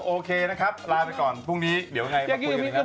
โอเคนะครับลาไปก่อนพรุ่งนี้เดี๋ยวไงมาคุยกันนะครับ